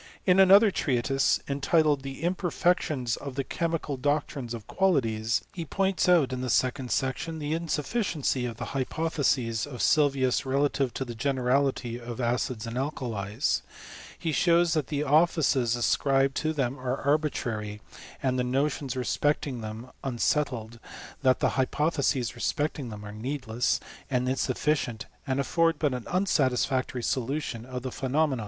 In another treatise, entitled " The Imperfections of the Chemical Doctrine of Qualities,"* he points out, in the second section, the insufficiency of the hypotheses of * Shaw's Boyle, iu. 424. 206 HIITORT Of CRIXIITKT. Sylriui relative to the generality of acids and alkalietk He shows that the offices ascribed to them are arbitrary^ and the notions respecting them unsettled ; that the hypotheses respecting them are needless, and insuffi cient, and afibrd but an unsatisfactory solution of the phenomena.